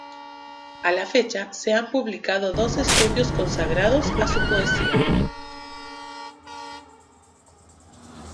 A la fecha se han publicado dos estudios consagrados a su poesía.